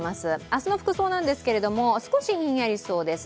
明日の服装なんですけれども少しヒンヤリしそうです。